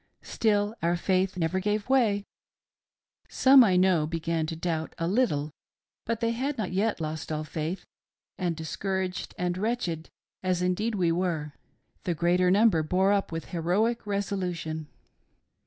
Still, our faith never gave way — some, I know, began to doubt a little, but they had not yet lost all faith, and discouraged and wretched, as indeed we were, the greater number bore up with heroic resolution.